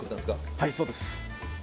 はいそうです。